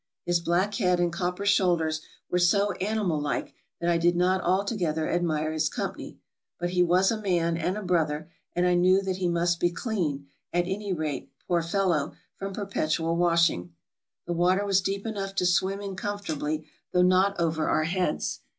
His black head and copper shoulders were so animal like that I did not altogether ad mire his company ; but he was a man and a brother, and I knew that he must be clean, at any rate, poor fellow, from perpetual washing. The water was deep enough to swim in comfortably, though not over our heads.